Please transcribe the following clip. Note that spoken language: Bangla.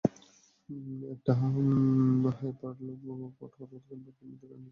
একটা হাইপারলুপ পড হঠাৎ এম্বার খনিতে গিয়ে বন্ধ হয়ে গেছে।